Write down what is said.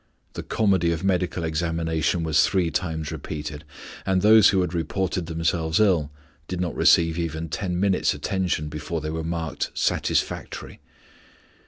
The comedy of medical examination was three times repeated, and those who had reported themselves ill did not receive even ten minutes' attention before they were marked 'Satisfactory.'